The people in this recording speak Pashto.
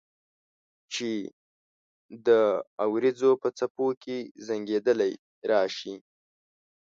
چې د اوریځو په څپو کې زنګیدلې راشي